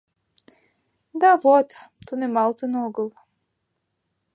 — Да вот... тунемалтын огыл.